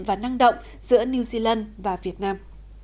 và năng động giữa new zealand và việt nam